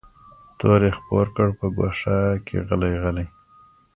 تور یې خپور کړ په ګوښه کي غلی غلی